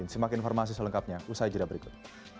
simak informasi selengkapnya usai jeda berikut